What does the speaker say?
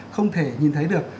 không thể nhìn thấy được